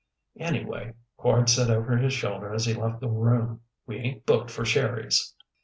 "Anyway," Quard said over his shoulder as he left the room, "we ain't booked for Sherry's."